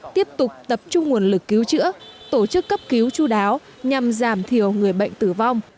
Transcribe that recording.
tiếp tục tập trung nguồn lực cứu chữa tổ chức cấp cứu chú đáo nhằm giảm thiểu người bệnh tử vong